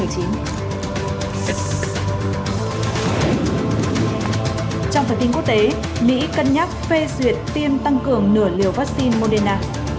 trong phần tin quốc tế mỹ cân nhắc phê duyệt tiêm tăng cường nửa liều vaccine moderna